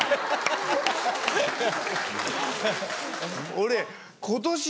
俺。